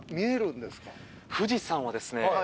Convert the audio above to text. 富士山はですね